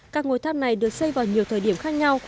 các ngôi tháp này được xây vào nhiều thời điểm khác nhau